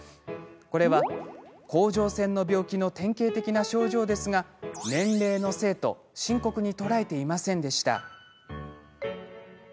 これは甲状腺の病気の典型的な症状ですが年齢のせいと深刻に捉えていませんでした。